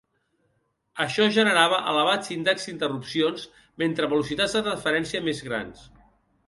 Això generava elevats índexs d'interrupcions mentre velocitats de transferència més grans.